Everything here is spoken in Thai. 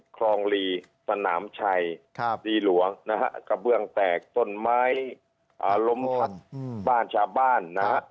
คลองลีสนามชัยลีหลวงนะฮะกระเบื้องแตกต้นไม้ล้มทับบ้านชาวบ้านนะฮะ